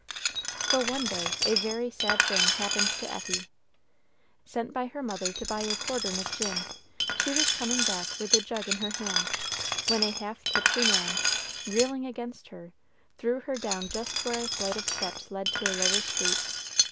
For one day a very sad thing happened to Effie. Sent by her mother to buy a quartern of gin, she was coming back with the jug in her hand, when a half tipsy man, reeling against her, threw her down just where a flight of steps led to a lower street.